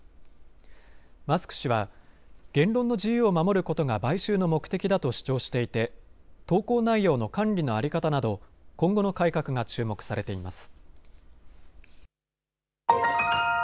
マスク氏は言論の自由を守ることが買収の目的だと主張していて投稿内容の管理の在り方など今後の改革が注目されています。